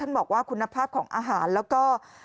ท่านบอกว่าคุณภาพของอาหารและก็